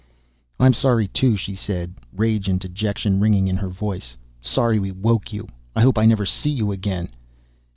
"I'm sorry, too," she said, rage and dejection ringing in her voice. "Sorry we woke you. I hope I never see you again."